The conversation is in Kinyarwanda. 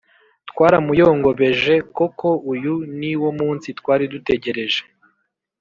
«Twaramuyongobeje! Koko uyu ni wo munsi twari dutegereje,